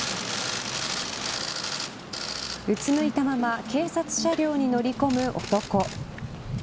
うつむいたまま警察車両に乗り込む男。